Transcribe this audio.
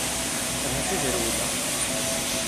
Ahat ad rewleɣ.